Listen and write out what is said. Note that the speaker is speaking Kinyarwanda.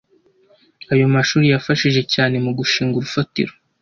Ayo mashuri yafashije cyane mu gushinga urufatiro